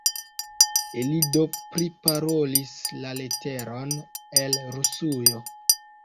Ili do priparolis la leteron el Rusujo.